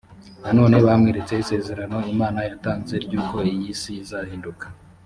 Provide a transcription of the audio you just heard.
nanone bamweretse isezerano imana yatanze ry uko iyi si izahinduka